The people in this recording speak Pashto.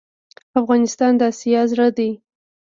افغانستان د اسیا زړه ده